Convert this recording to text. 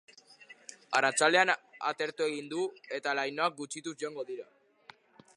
Arratsaldean atertu egingo du, eta lainoak gutxituz joango dira.